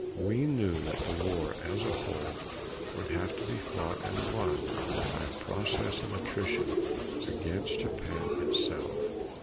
We knew that the war as a whole would have to be fought and won by a process of attrition against Japan itself.